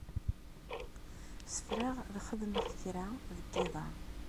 Ssefraɣ ad xedmeɣ kra deg yiḍ-a.